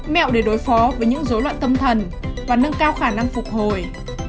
mẹo để đối phó với những dối loạn tâm thần và nâng cao khả năng phục hồi